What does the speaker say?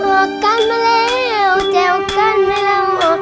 ออกกันมาแล้วจะออกกันมาแล้ว